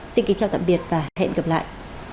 xin kính chào tạm biệt và hẹn gặp lại